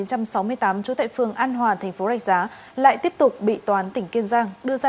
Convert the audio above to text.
năm một nghìn chín trăm sáu mươi tám trú tại phương an hoà thành phố rạch giá lại tiếp tục bị toán tỉnh kiên giang đưa ra